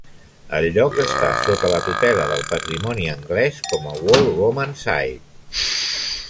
El lloc està sota la tutela del patrimoni anglès com a Wall Roman Site.